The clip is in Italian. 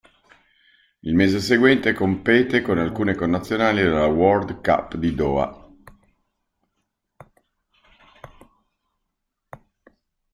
Il mese seguente compete con alcune connazionali alla World Cup di Doha.